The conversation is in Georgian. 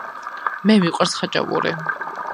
მე მიყვარს ხაჭაპური